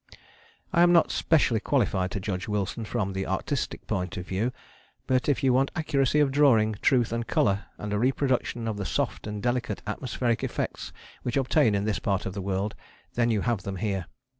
I am not specially qualified to judge Wilson from the artistic point of view. But if you want accuracy of drawing, truth of colour, and a reproduction of the soft and delicate atmospheric effects which obtain in this part of the world, then you have them here.